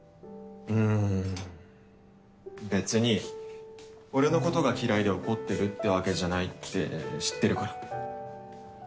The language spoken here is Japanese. うんべつに俺のことが嫌いで怒ってるってわけじゃないって知ってるから。